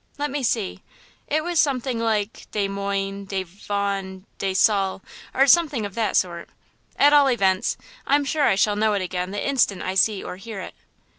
Let me see, it was something like Des Moines, De Vaughn, De Saule, or something of that sort. At all events, I'm sure I shall know it again the instant I see or hear it.